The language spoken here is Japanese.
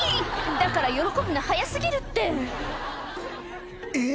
だから喜ぶの早過ぎるってえっ？